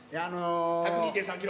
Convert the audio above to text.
１０２．３キロ。